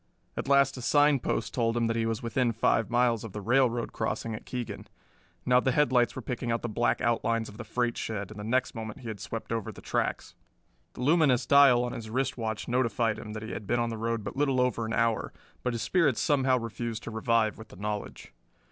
At last a sign post told him that he was within five miles of the railroad crossing at Keegan. Now the headlights were picking out the black outlines of the freight shed, and the next moment he had swept over the tracks. The luminous dial on his wrist watch notified him that he had been on the road but little over an hour, but his spirits somehow refused to revive with the knowledge.